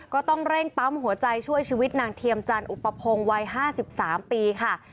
ก็ต้องเร่งปั๊มหัวใจช่วยชีวิตนางเทียมจันอุปพงศ์วัย๕๓ปีค่ะ